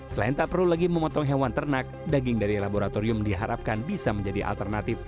selain tak perlu lagi memotong hewan ternak daging dari laboratorium diharapkan bisa menjadi alternatif